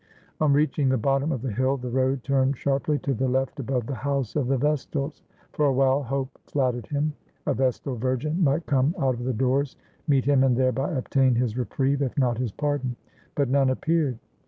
On reaching the bottom of the hill the road turned sharply to the left above the house of the vestals. For a while hope flattered him. A vestal virgin might come out of the doors, meet him, and thereby obtain his reprieve if not his pardon. But none appeared.